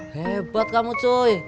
hebat kamu cuy